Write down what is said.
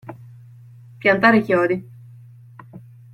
Piantare chiodi.